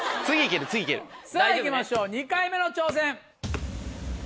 さぁいきましょう２回目の挑戦。